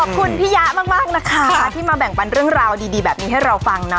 พี่ยะมากนะคะที่มาแบ่งปันเรื่องราวดีแบบนี้ให้เราฟังนะ